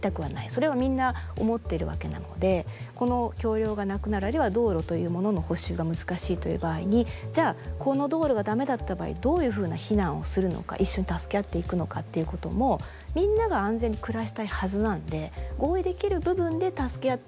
それはみんな思ってるわけなのでこの橋りょうがなくなるあるいは道路というものの補修が難しいという場合にじゃあこの道路が駄目だった場合どういうふうな避難をするのか一緒に助け合っていくのかっていうこともみんなが安全に暮らしたいはずなんで合意できる部分で助け合っていく。